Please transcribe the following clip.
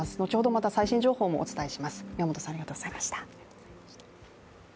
また最新情報もお伝えします。